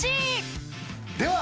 では